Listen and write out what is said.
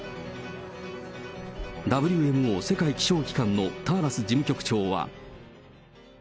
ＷＭＯ・世界気象機関のターラス事務局長は。